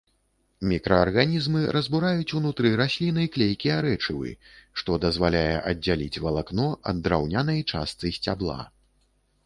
Мікраарганізмы разбураюць унутры расліны клейкія рэчывы, што дазваляе аддзяліць валакно ад драўнянай частцы сцябла.